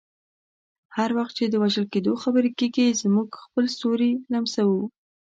هر وخت چې د وژل کیدو خبره کیږي، موږ خپل ستوري لمسوو.